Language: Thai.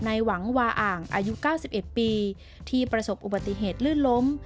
หวังวาอ่างอายุ๙๑ปีที่ประสบอุบัติเหตุลื่นล้ม